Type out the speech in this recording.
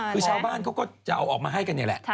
คือชาวบ้านเขาก็จะเอาออกมาให้กันนี่แหละ